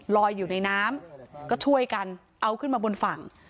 ลอยอยู่ในน้ำก็ช่วยกันเอาขึ้นมาบนฝั่ง